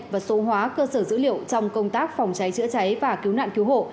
và số hóa cơ sở dữ liệu trong công tác phòng cháy chữa cháy và cứu nạn cứu hộ